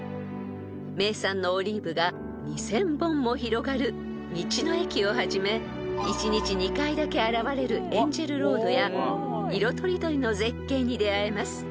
［名産のオリーブが２，０００本も広がる道の駅をはじめ一日２回だけ現れるエンジェルロードや色とりどりの絶景に出合えます］